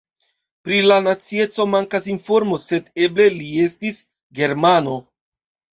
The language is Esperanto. Pri la nacieco mankas informo, sed eble li estis germano.